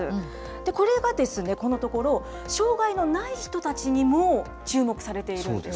これがこのところ、障害のない人たちにも注目されているんです。